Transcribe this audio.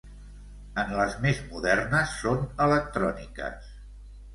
En les més modernes, són electròniques.